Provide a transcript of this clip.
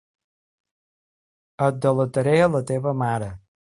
Et delataré a la teva mare.